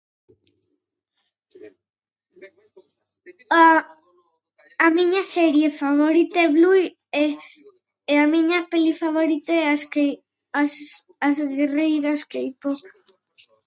A a miña serie favorita é Bluey e e a miña peli favorita é as k- as as guerreiras K-pop.